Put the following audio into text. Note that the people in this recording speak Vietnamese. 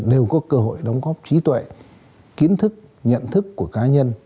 đều có cơ hội đóng góp trí tuệ kiến thức nhận thức của cá nhân